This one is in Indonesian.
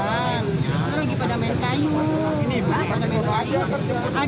mungkin kan dia terbawa tuh karena posisi berat